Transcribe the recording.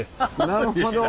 なるほど。